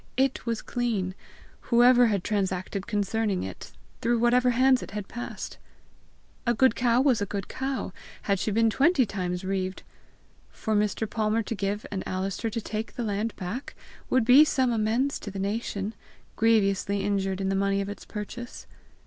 it was clean, whoever had transacted concerning it, through whatever hands it had passed! A good cow was a good cow, had she been twenty times reaved! For Mr. Palmer to give and Alister to take the land back, would be some amends to the nation, grievously injured in the money of its purchase!